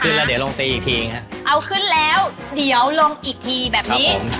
ขึ้นแล้วเดี๋ยวลงตีอีกทีอีกครับเอาขึ้นแล้วเดี๋ยวลงอีกทีแบบนี้ครับผม